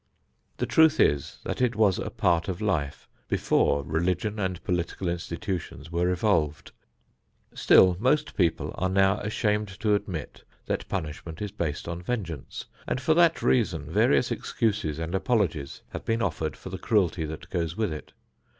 The truth is that it was a part of life before religion and political institutions were evolved. Still, most people are now ashamed to admit that punishment is based on vengeance and, for that reason, various excuses and apologies have been offered for the cruelty that goes with it.